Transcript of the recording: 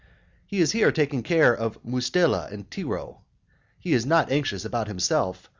He is here taking care of Mustela and Tiro, he is not anxious about himself.